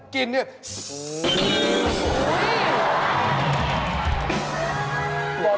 แซม